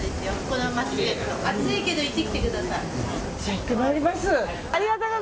行ってまいります。